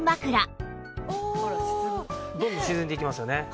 どんどん沈んでいきますよね。